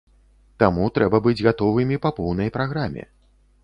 Таму трэба быць гатовымі па поўнай праграме.